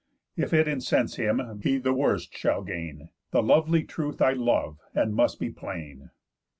If it incense him, he the worst shall gain. The lovely truth I love, and must be plain."